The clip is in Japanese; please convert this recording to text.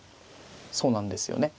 そうなんですよね。